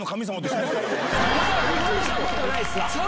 言われたことないっすわ。